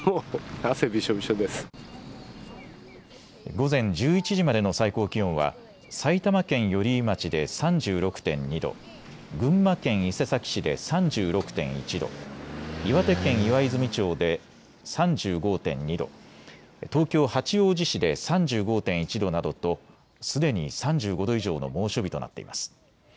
午前１１時までの最高気温は埼玉県寄居町で３６．２度、群馬県伊勢崎市で３６．１度、岩手県岩泉町で３５．２度、東京八王子市で３５．１度などとすでに３５度以上の猛暑日となっています。